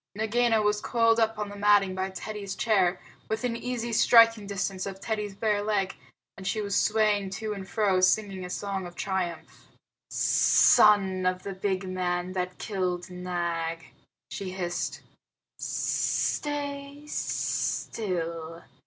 Nagaina was coiled up on the matting by Teddy's chair, within easy striking distance of Teddy's bare leg, and she was swaying to and fro, singing a song of triumph. "Son of the big man that killed Nag," she hissed, "stay still.